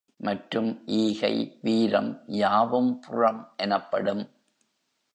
மற்றும் ஈகை, வீரம், யாவும் புறம் எனப்படும்.